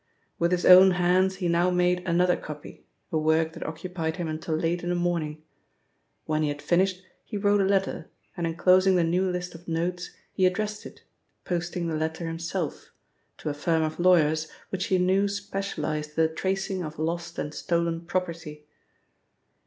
With his own hands he now made another copy, a work that occupied him until late in the morning. When he had finished he wrote a letter, and enclosing the new list of notes, he addressed it, posting the letter himself, to a firm of lawyers which he knew specialised in the tracing of lost and stolen property.